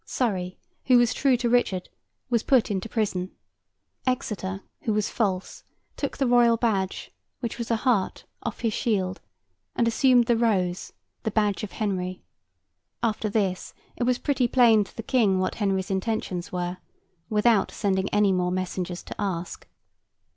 Surrey, who was true to Richard, was put into prison. Exeter, who was false, took the royal badge, which was a hart, off his shield, and assumed the rose, the badge of Henry. After this, it was pretty plain to the King what Henry's intentions were, without sending any more messengers to ask.